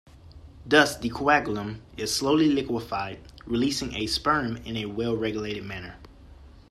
Thus, the coagulum is slowly liquefied, releasing the sperm in a well regulated manner.